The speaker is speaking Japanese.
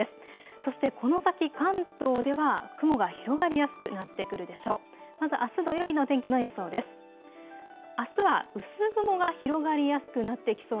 そしてこの先、関東では雲が広がりやすくなってくるでしょう。